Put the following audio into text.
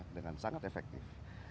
dengan sangat efektif